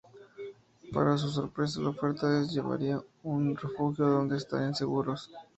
Para su sorpresa, la oferta es llevarla a un refugio, donde estarán seguros.